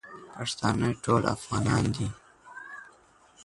پښتانه ټول افغانان دي